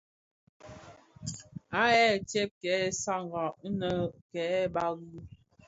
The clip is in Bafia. Àa yêê tsee kêê sààghràg inë kêê bàgi.